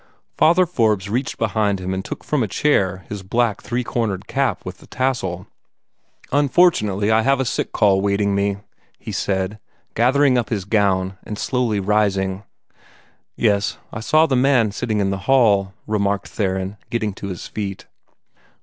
Father Forbes reached behind him and took from a chair his black three cornered cap with the tassel. "Unfortunately I have a sick call waiting me," he said, gathering up his gown and slowly rising. "Yes, I saw the man sitting in the hall," remarked Theron, getting to his feet.